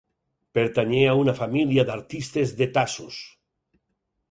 Pertanyé a una família d'artistes de Tassos.